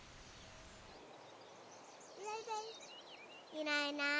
いないいない。